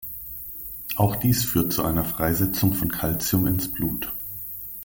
Auch dies führt zu einer Freisetzung von Calcium ins Blut.